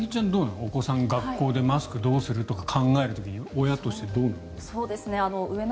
お子さん、学校でマスクどうするとか考える時に親としてどうなの？